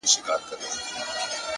د ورورولۍ په معنا ـ